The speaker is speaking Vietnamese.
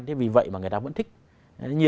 thế vì vậy mà người ta vẫn thích